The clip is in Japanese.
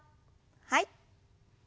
はい。